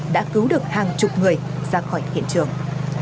đã cứu được hàng chục người ra khỏi hiện trường